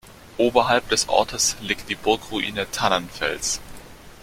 Oberhalb des Ortes liegt die Burgruine Tannenfels.